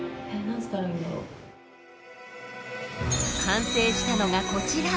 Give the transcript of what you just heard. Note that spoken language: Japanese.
完成したのがこちら！